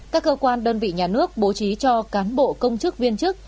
ba các cơ quan đơn vị nhà nước bố trí cho cán bộ công dân